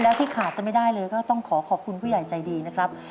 แล้วที่ขาดซะไม่ได้เลยก็ต้องขอขอบคุณผู้ใหญ่ใจดีนะครับ